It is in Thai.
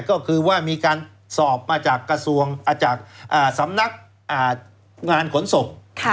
ก็คือว่ามีการสอบมาจากสำนักงานขนส่ง